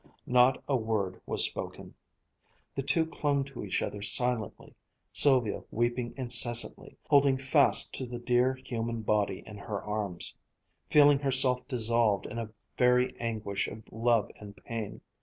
Not a word was spoken. The two clung to each other silently, Sylvia weeping incessantly, holding fast to the dear human body in her arms, feeling herself dissolved in a very anguish of love and pain.